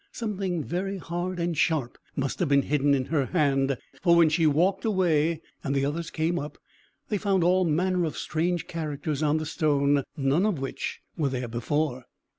Something very hard and sharp must have been hidden in her hand; for when she walked away, and the others came up, they found all manner of strange characters on the stone, none of which were there before.